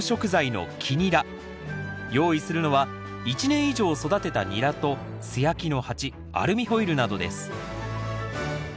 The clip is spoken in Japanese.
用意するのは１年以上育てたニラと素焼きの鉢アルミホイルなどです